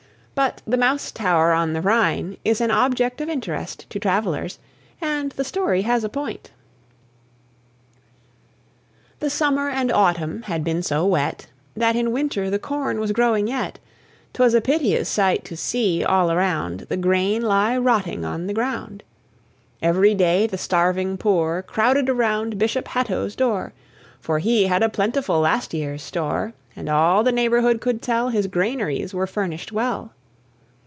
But "The Mouse Tower on the Rhine" is an object of interest to travellers, and the story has a point The summer and autumn had been so wet, That in winter the corn was growing yet: 'Twas a piteous sight to see, all around, The grain lie rotting on the ground. Every day the starving poor Crowded around Bishop Hatto's door; For he had a plentiful last year's store, And all the neighbourhood could tell His granaries were furnished well.